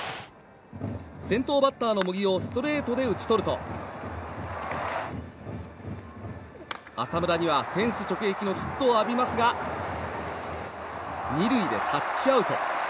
先頭バッターの茂木をストレートで打ち取ると浅村にはフェンス直撃のヒットを浴びますが２塁でタッチアウト。